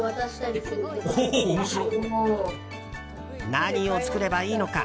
何を作ればいいのか。